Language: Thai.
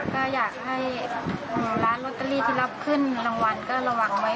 ก็อยากให้ร้านลอตเตอรี่ที่รับขึ้นรางวัลก็ระวังไว้